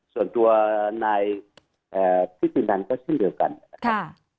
ส่วนตัวนายที่คืนนั้นก็ทั่วเดียวกันนะครับ